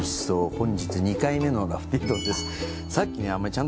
本日２回目のラフティー丼です。